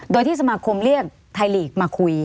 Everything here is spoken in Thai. โดยที่สมาคมเรียกไทยลีกมาคุย